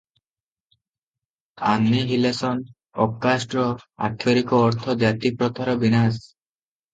Annihilation of କାଷ୍ଟର ଆକ୍ଷରିକ ଅର୍ଥ ଜାତିପ୍ରଥାର ବିନାଶ ।